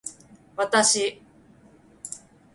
私